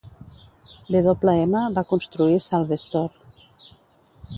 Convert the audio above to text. Wm va construir "Salvestor".